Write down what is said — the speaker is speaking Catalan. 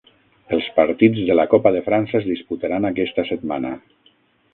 Els partits de la Copa de França es disputaran aquesta setmana.